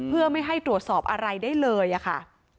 เพื่อไม่ให้ตรวจสอบอะไรได้เลยค่ะ